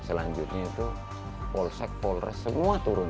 selanjutnya itu polsek polres semua turun